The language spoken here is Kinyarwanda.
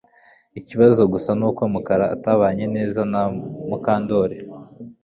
Ikibazo gusa nuko Mukara atabanye neza na Mukandoli